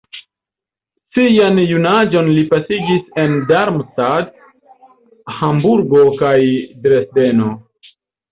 Sian junaĝon li pasigis en Darmstadt, Hamburgo kaj Dresdeno.